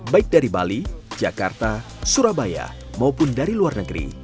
baik dari bali jakarta surabaya maupun dari luar negeri